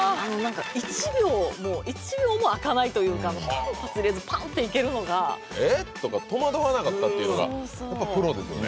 １秒も１秒も空かないというか間髪入れずにパンっていけるのが「えっ？」とか戸惑わなかったっていうのがやっぱりプロですよね